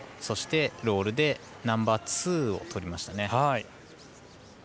そして、ロールでナンバーツーをとりましたね。